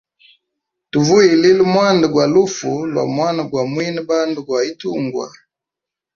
Tuvuyilile mwanda gwa lufu lwa mwana gwa mwine bandu gwa itungwa.